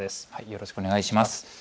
よろしくお願いします。